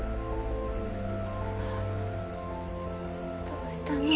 どうしたの？